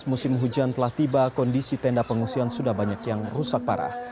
musim hujan telah tiba kondisi tenda pengungsian sudah banyak yang rusak parah